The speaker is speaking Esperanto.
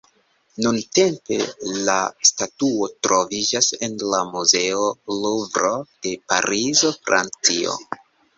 Nuntempe la statuo troviĝas en la Muzeo Luvro de Parizo, Francio.